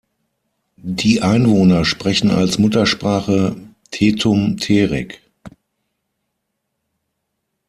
Die Einwohner sprechen als Muttersprache Tetum Terik.